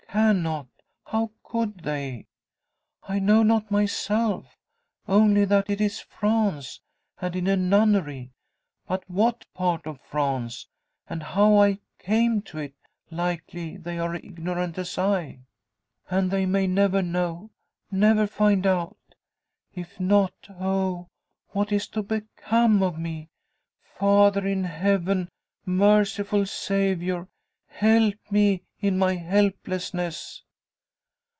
Cannot! How could they? I know not myself! Only that it is France, and in a nunnery. But what part of France, and how I came to it, likely they are ignorant as I. "And they may never know! Never find out! If not, oh! what is to become of me? Father in Heaven! Merciful Saviour! help me in my helplessness!"